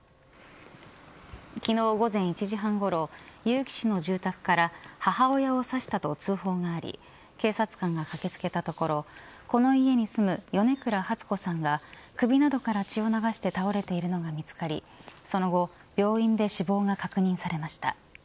昨日、午前１時半ごろ結城市の住宅から母親を刺したと通報があり警察官が駆け付けたところこの家に住む米倉初子さんが首などから血を流して倒れているのが見つかりその後病院で死亡が確認されました。